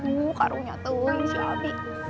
wuh karungnya tuh siap